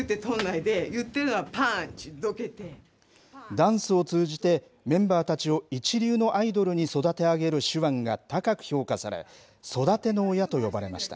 ダンスを通じて、メンバーたちを一流のアイドルに育て上げる手腕が高く評価され、育ての親と呼ばれました。